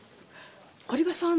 堀場さん